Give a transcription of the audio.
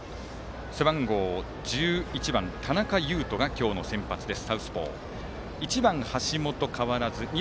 背番号１１番、田中優飛が今日の先発です。